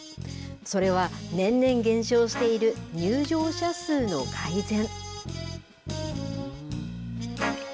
それは、年々減少している入場者数の改善。